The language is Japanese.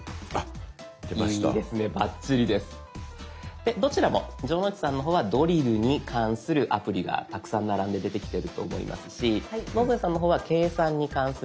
でどちらも城之内さんの方はドリルに関するアプリがたくさん並んで出てきてると思いますし野添さんの方は計算に関するアプリがたくさん並んで出てきていると思います。